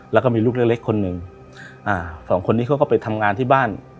แล้วก็มีลูกเล็กเล็กคนหนึ่งอ่าสองคนนี้เขาก็ไปทำงานที่บ้าน